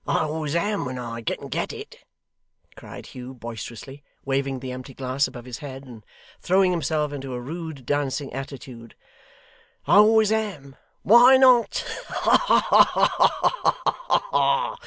'I always am when I can get it,' cried Hugh boisterously, waving the empty glass above his head, and throwing himself into a rude dancing attitude. 'I always am. Why not? Ha ha ha!